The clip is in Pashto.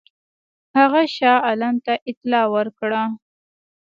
هغه شاه عالم ته اطلاع ورکړه.